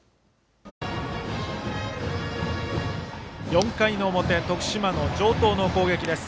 ４回の表徳島の城東の攻撃です。